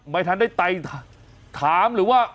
ไม่ทันได้ไตถามหรือว่า